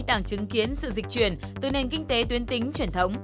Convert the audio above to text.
đang chứng kiến sự dịch chuyển từ nền kinh tế tuyến tính truyền thống